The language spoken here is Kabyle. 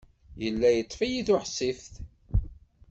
Yella yeṭṭef-iyi tuḥsift.